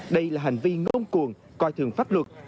đây là hành vi ngôn cuồn coi thường pháp luật